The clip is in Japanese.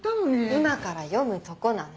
今から読むとこなの。